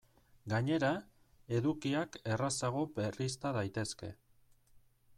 Gainera, edukiak errazago berrizta daitezke.